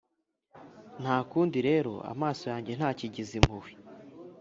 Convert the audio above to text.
Nta kundi rero, amaso yanjye ntakigize impuhwe.